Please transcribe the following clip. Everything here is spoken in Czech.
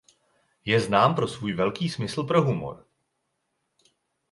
Je znám pro svůj velký smysl pro humor.